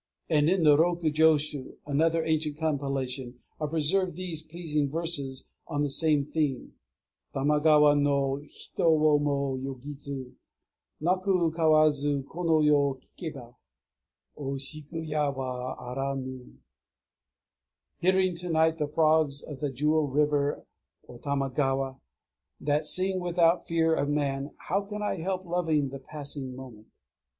And in the Rokujōshū, another ancient compilation, are preserved these pleasing verses on the same theme: Tamagawa no Hito wo mo yogizu Naku kawazu, Kono yū kikéba Oshiku ya wa aranu? "Hearing to night the frogs of the Jewel River [or Tamagawa], that sing without fear of man, how can I help loving the passing moment?"